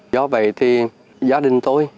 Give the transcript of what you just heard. do vậy thì gia đình tôi